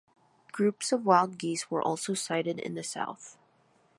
Groups of wild geese were also sighted in the South.